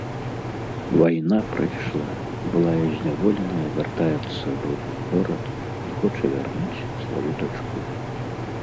Вайна прайшла, былая зняволеная вяртаецца ў родны горад і хоча вярнуць сваю дачку.